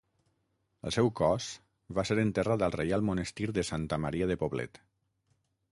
El seu cos va ser enterrat al Reial Monestir de Santa Maria de Poblet.